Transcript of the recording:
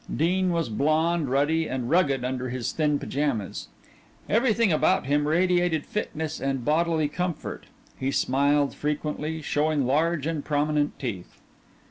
Dean was blond, ruddy, and rugged under his thin pajamas. Everything about him radiated fitness and bodily comfort. He smiled frequently, showing large and prominent teeth.